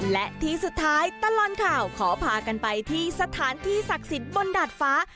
และที่สุดท้ายตลอดข่าวขอพากันไปที่สถานที่ศักดิ์สิทธิ์บนดาดฟ้า